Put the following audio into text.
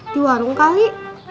di warung kali